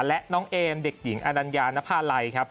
และน้องเอมเด็กหญิงอนัญญาณภาลัยครับ